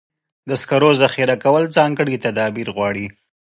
د سکرو ذخیره کول ځانګړي تدابیر غواړي.